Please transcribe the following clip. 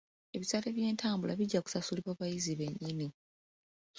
Ebisale by'entambula bijja kusasulibwa bayizi bennyini.